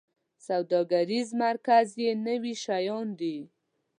سوداګریز مرکز کې نوي شیان دي